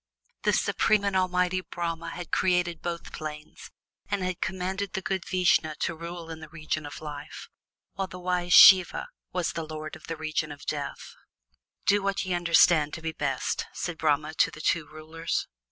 The supreme and all mighty Brahma had created both plains, and had commanded the good Vishnu to rule in the Region of Life, while the wise Siva was lord in the Region of Death. "Do what ye understand to be best," said Brahma to the two rulers.